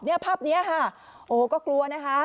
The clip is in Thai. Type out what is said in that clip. ภาพนี้ค่ะโอ้ก็กลัวนะคะ